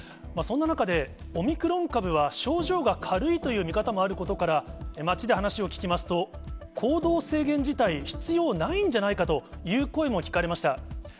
そんな中で、オミクロン株は症状が軽いという見方もあることから、街で話を聞きますと、行動制限自体必要ないんじゃないかという声も聞かれました。